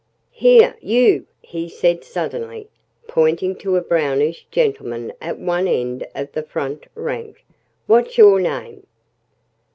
"Here, you!" he said suddenly, pointing to a brownish gentleman at one end of the front rank. "What's your name?"